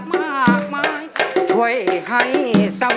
เพื่อจะไปชิงรางวัลเงินล้าน